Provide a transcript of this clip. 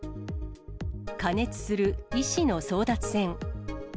過熱する医師の争奪戦。